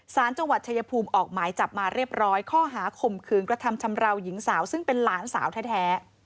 สารจังหวัดชายภูมิออกหมายจับมาเรียบร้อยข้อหาข่มขืนกระทำชำราวหญิงสาวซึ่งเป็นหลานสาวแท้